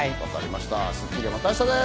『スッキリ』はまた明日です。